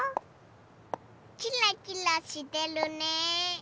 キラキラしてるね。